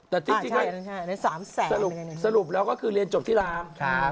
แต่ที่ให้๓แสนสรุปแล้วก็คือเรียนจบที่ราม